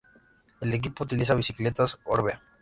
El equipo utiliza bicicletas Orbea.